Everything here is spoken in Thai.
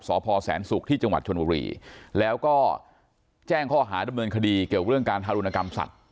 สพแสนศุกร์ที่จังหวัดชนบุรีแล้วก็แจ้งข้อหาดำเนินคดีเกี่ยวกับเรื่องการทารุณกรรมสัตว